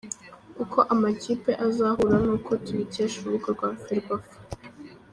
Uko amakipe azahura nk’uko tubikesha urubuga rwa Ferwafa.